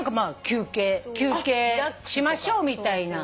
休憩しましょうみたいな。